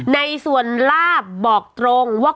ในส่วนลาบบอกตรงว่า